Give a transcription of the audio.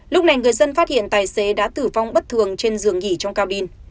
lúc này người dân phát hiện tài xế đã tử vong bất thường trên giường nhỉ trong cabin